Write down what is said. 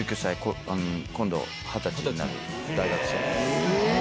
今度二十歳になる大学生。